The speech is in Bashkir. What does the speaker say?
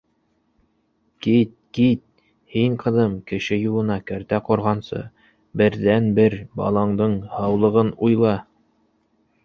Кит, кит... һин, ҡыҙым, кеше юлына кәртә ҡорғансы, берҙән-бер баландың һаулығын уйла!